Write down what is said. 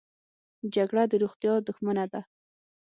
جګړه د روغتیا دښمنه ده